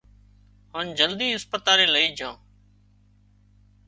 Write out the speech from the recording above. هانَ جلدي اسپتالئي لئي جھان